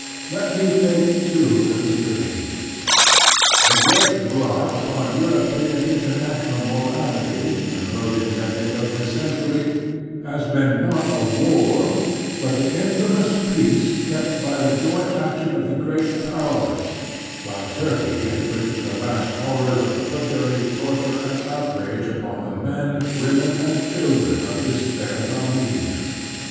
Let me take two illustrations : The great blot upon European international morality in the closing decade of this century has been not a war, but the infamous peace kept by the joint action of the great powers, while Turkey inflicted the last horrors of butchery, torture, and outrage upon the men, women, and children of despairing Armenia.